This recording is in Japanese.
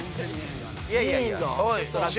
いやいやいやいや！